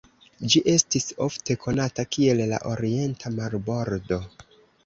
Ĝi estis ofte konata kiel la "orienta marbordo".